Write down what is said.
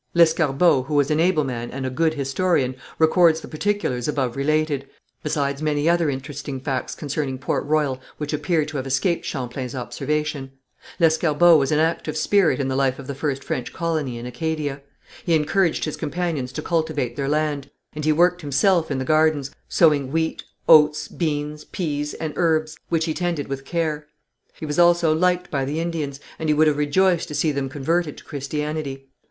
Lescarbot, who was an able man and a good historian, records the particulars above related, besides many other interesting facts concerning Port Royal which appear to have escaped Champlain's observation. Lescarbot was an active spirit in the life of the first French colony in Acadia. He encouraged his companions to cultivate their land, and he worked himself in the gardens, sowing wheat, oats, beans, pease, and herbs, which he tended with care. He was also liked by the Indians, and he would have rejoiced to see them converted to Christianity.